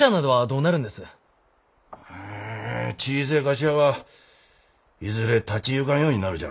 うん小せえ菓子屋はいずれ立ちゆかんようになるじゃろう。